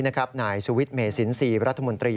นายสวิตเมษินรัฐมนตรี